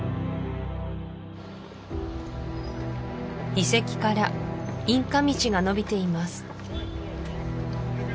遺跡からインカ道がのびています